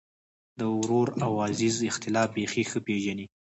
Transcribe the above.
د ورور او عزیز اختلاف بېخي ښه پېژني.